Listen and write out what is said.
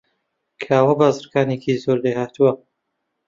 کاوە بازرگانێکی زۆر لێهاتووە.